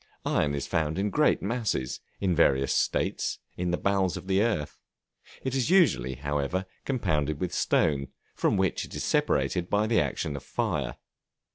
Iron is found in great masses, in various states, in the bowels of the earth; it is usually, however, compounded with stone, from which it is separated by the action of fire.